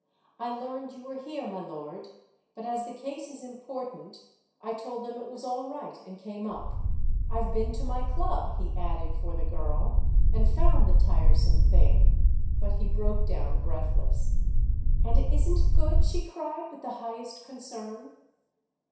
"I learned you were here, my lord; but as the case is important I told them it was all right and came up. I've been to my club," he added for the girl, "and found the tiresome thing—!" But he broke down breathless. "And it isn't good?" she cried with the highest concern.